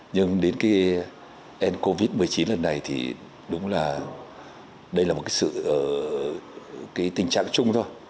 nhưng đến cái covid một mươi chín lần này thì đúng là đây là một cái tình trạng chung thôi